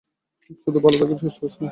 শুধু ভালো থাকার চেষ্টা করছিলাম।